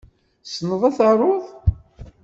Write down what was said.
Tessneḍ ad taruḍ?